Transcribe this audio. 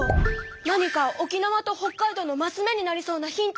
何か沖縄と北海道のマス目になりそうなヒントお願い！